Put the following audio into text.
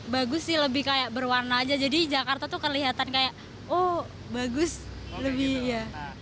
bagus sih lebih kayak berwarna aja jadi jakarta tuh kelihatan kayak oh bagus lebih ya